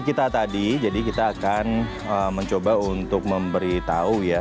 kita lihat informasinya ya